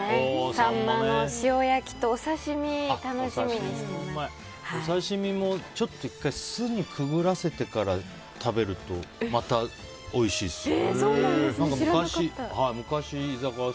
サンマの塩焼きとお刺し身をお刺し身も、ちょっと１回酢にくぐらせてから食べるとまたおいしいっすよ。